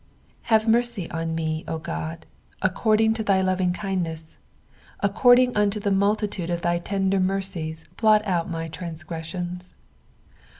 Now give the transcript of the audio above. HAVE mercy upon me, O God, according to thy lovingkind ness : according unto the multitude of thy tender mercies blot out my transgressions.